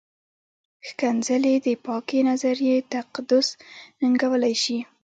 ښکنځلې د پاکې نظریې تقدس ننګولی شي.